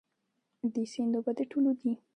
د سیند اوبه د ټولو دي؟